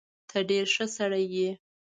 ته ډېر ښه سړی يې.